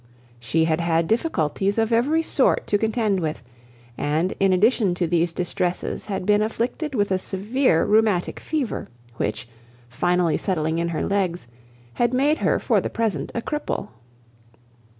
She had had difficulties of every sort to contend with, and in addition to these distresses had been afflicted with a severe rheumatic fever, which, finally settling in her legs, had made her for the present a cripple.